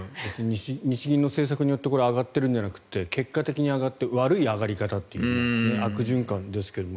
日銀の政策によって上がっているんではなくて結果的に上がって悪い上がり方という悪循環ですけど